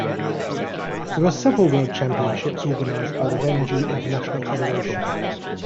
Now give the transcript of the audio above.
There are several world championships organized by the Renju International Federation.